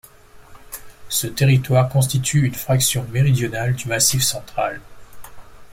Ce territoire constitue une fraction méridionale du Massif central.